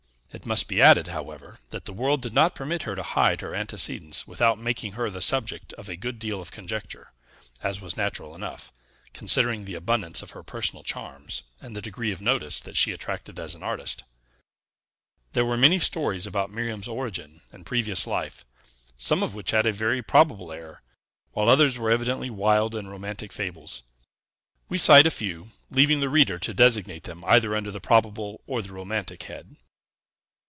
It must be added, however, that the world did not permit her to hide her antecedents without making her the subject of a good deal of conjecture; as was natural enough, considering the abundance of her personal charms, and the degree of notice that she attracted as an artist. There were many stories about Miriam's origin and previous life, some of which had a very probable air, while others were evidently wild and romantic fables. We cite a few, leaving the reader to designate them either under the probable or the romantic head.